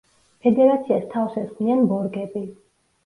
ფედერაციას თავს ესხმიან ბორგები.